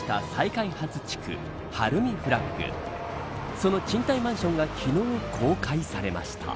その賃貸マンションが昨日、公開されました。